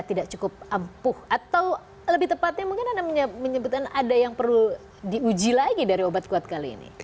tidak cukup ampuh atau lebih tepatnya mungkin anda menyebutkan ada yang perlu diuji lagi dari obat kuat kali ini